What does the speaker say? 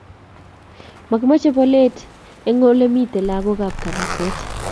Makimache polet en elemiten lakoka ab kaniset